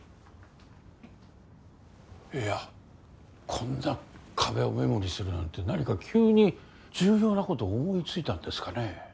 いやこんな壁をメモにするなんて何か急に重要な事を思いついたんですかね？